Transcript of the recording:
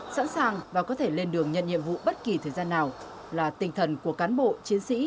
sẵn sàng và có thể lên đường nhận nhiệm vụ bất kỳ thời gian nào là tinh thần của cán bộ chiến sĩ